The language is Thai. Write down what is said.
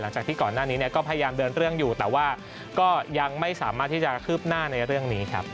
หลังจากที่ก่อนหน้านี้ก็พยายามเดินเรื่องอยู่แต่ว่าก็ยังไม่สามารถที่จะคืบหน้าในเรื่องนี้ครับ